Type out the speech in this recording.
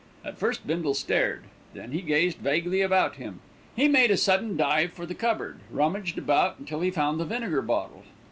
At first Bindle stared; then he gazed vaguely about him. He made a sudden dive for the cupboard, rummaged about until he found the vinegar bottle.